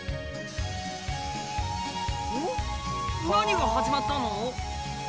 何が始まったの？